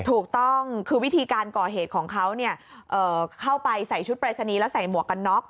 ถูกต้องคือวิธีการก่อเหตุของเขาเข้าไปใส่ชุดปรายศนีย์แล้วใส่หมวกกันน็อก